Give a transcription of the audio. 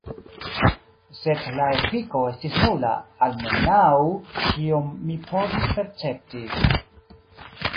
Sed la efiko estis nula, almenau kiom mi povis percepti.